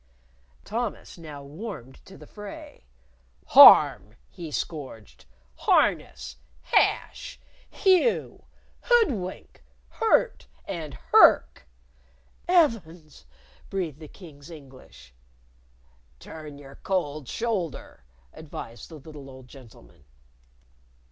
Thomas now warmed to the fray. "Harm!" he scourged, "Harness! Hash! Hew! Hoodwink! Hurt and hurk!" "'Eavens!" breathed the King's English. "Turn your cold shoulder," advised the little old gentleman.